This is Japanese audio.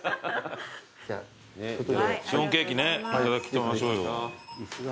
シフォンケーキねいただきましょうよ。